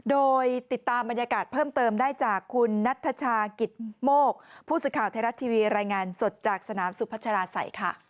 โดยติดตามบรรยากาศเพิ่มเติมได้จากคุณนัทชากิตโมกผู้สื่อข่าวไทยรัฐทีวีรายงานสดจากสนามสุพัชราศัยค่ะ